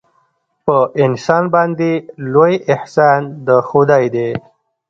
په انسان باندې لوی احسان د خدای دی.